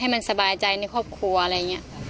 มันสบายใจในครอบครัวอะไรอย่างนี้